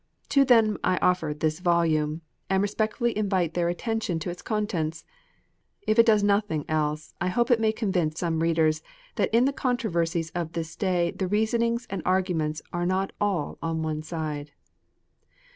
To them I offer this volume, and respectfully invite their attention to its contents. If it does nothing else, I hope it may convince some readers that in the controversies of this day the reasonings and arguments are not all on one side.